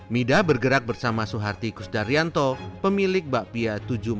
midah bergerak bersama suharti kusdarianto pemilik bakpia tujuh ratus empat belas